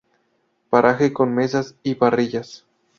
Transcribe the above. Paraje con mesas y parrillas.